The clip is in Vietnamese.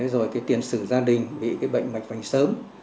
rồi tiền xử gia đình bị bệnh mạch vành sớm